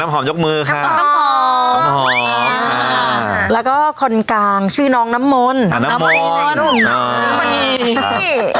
น้ำหอมยกมือค่ะน้ำหอมน้ำหอมแล้วก็คนกลางชื่อน้องน้ำมนด์น้ำมนด์